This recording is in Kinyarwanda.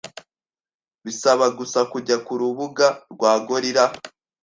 Bisaba gusa kujya ku rubuga rwa gorilla